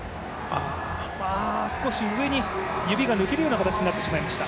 少し上に、指が抜けるような形になってしまいました。